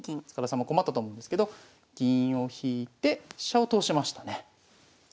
塚田さんも困ったと思うんですけど銀を引いて飛車を通しましたね。